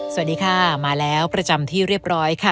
สวัสดีค่ะมาแล้วประจำที่เรียบร้อยค่ะ